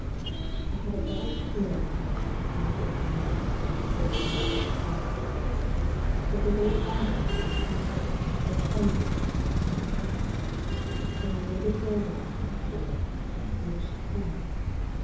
I had a vague feeling, however, notwithstanding the misfortune that had befallen us there, that the old phantoms that haunted it were friendly to Alice and me. But I waited her arrival in fear. Would she come?